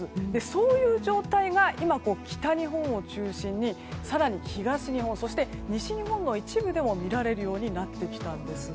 そういう状態が今北日本を中心に更に東日本そして、西日本の一部でも見られるようになりました。